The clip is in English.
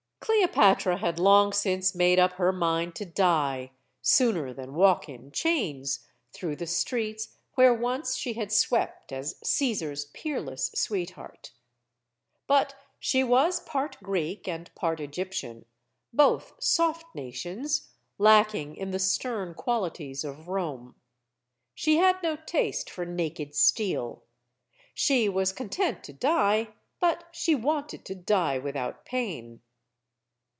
Cleopatra had long since made up her mind to die sooner than walk in chains through the streets where once she had swept as Caesar's peerless sweetheart. But she was part Greek and part Egyptian both soft nations, lacking in the stern qualities of Rome. She had no taste for naked steel. She was content to die, but she wanted to die without pain.